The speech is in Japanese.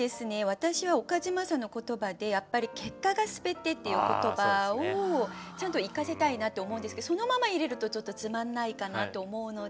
私は岡島さんの言葉でやっぱり「結果が全て」っていう言葉をちゃんと生かしたいなって思うんですけどそのまま入れるとちょっとつまんないかなと思うので。